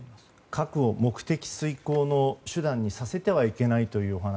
核を目的遂行の手段にさせてはいけないというお話。